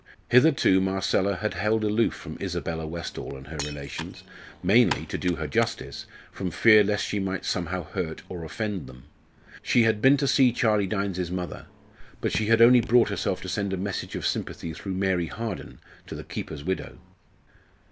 Hitherto Marcella had held aloof from Isabella Westall and her relations, mainly, to do her justice, from fear lest she might somehow hurt or offend them. She had been to see Charlie Dynes's mother, but she had only brought herself to send a message of sympathy through Mary Harden to the keeper's widow.